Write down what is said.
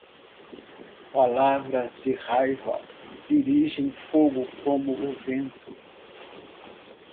Palavras de raiva dirigem fogo como o vento.